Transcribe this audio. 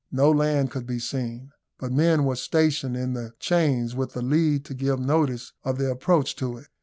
No land could be seen, but men were stationed in the chains with the lead to give notice of their approach to it.